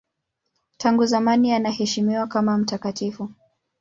Tangu zamani anaheshimiwa kama mtakatifu.